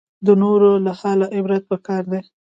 د نورو له حاله عبرت پکار دی